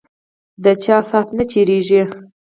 ده چا سات نه تیریږی